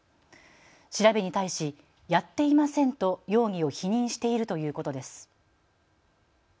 調べに対しやっていませんと容疑を否認しているということです。